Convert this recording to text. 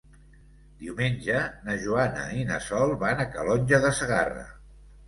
Diumenge na Joana i na Sol van a Calonge de Segarra.